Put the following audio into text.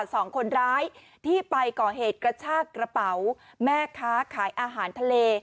สองคนร้ายที่ไปก่อเหตุกระชากระเป๋าแม่ค้าขายอาหารทะเล